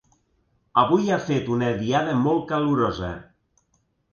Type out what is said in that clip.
Avui ha fet una diada molt calorosa.